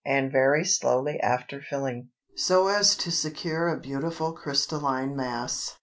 and very slowly after filling, so as to secure a beautiful crystalline mass.